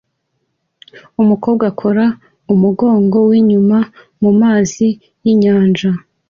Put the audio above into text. Umukobwa akora umugongo winyuma mumazi yinyanja